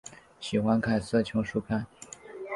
喜欢看色情书刊。